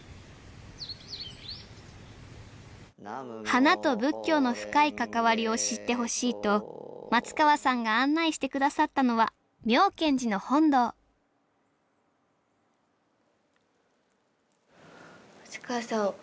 花と仏教の深い関わりを知ってほしいと松川さんが案内して下さったのは妙顕寺の本堂松川さん